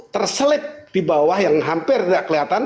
terselip di bawah yang hampir tidak kelihatan